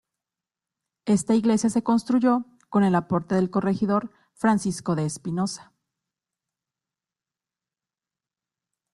Está iglesia se construyó con el aporte del corregidor Francisco de Espinoza.